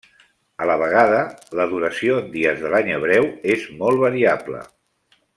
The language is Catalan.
A la vegada, la duració en dies de l'any hebreu és molt variable.